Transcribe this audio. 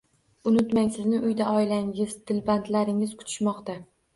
Unutmang, sizni uyda oilangiz, dilbandlaringiz kutishmoqda.